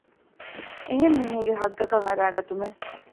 އެހެން މީހެއްގެ ޙައްޤަކަށް އަރައިގަތުމެއް